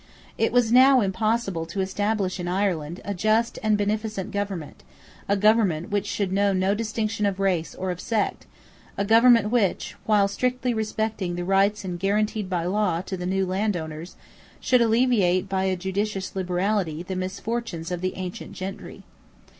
It was now impossible to establish in Ireland a just and beneficent government, a government which should know no distinction of race or of sect, a government which, while strictly respecting the rights guaranteed by law to the new landowners, should alleviate by a judicious liberality the misfortunes of the ancient gentry.